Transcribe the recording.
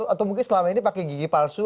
atau mungkin selama ini pakai gigi palsu